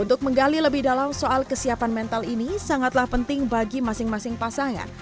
untuk menggali lebih dalam soal kesiapan mental ini sangatlah penting bagi masing masing pasangan